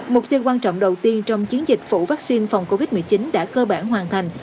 mục tiêu quan trọng đầu tiên trong chiến dịch phủ vaccine phòng covid một mươi chín đã cơ bản hoàn thành